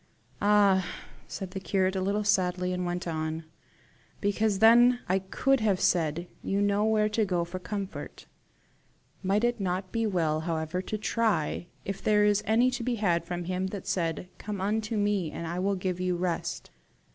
"Ah!" said the curate a little sadly, and went on. "Because then I could have said, you know where to go for comfort. Might it not be well however to try if there is any to be had from him that said 'COME UNTO ME, AND I WILL GIVE YOU REST?